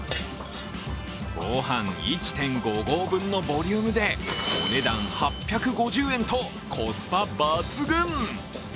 ご飯１．５合分のボリュームでお値段８５０円とコスパ抜群。